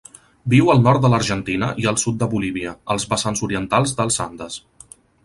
Viu al nord de l'Argentina i el sud de Bolívia, als vessants orientals dels Andes.